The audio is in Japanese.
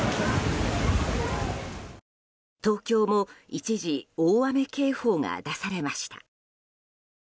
東京も一時大雨警報が出されました。